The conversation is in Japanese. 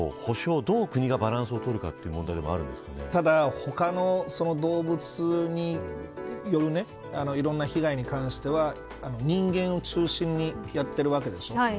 保護と補償をどう国がバランスを取るかというただ、他の動物によるいろんな被害に関しては人間を中心にやっているわけでしょう。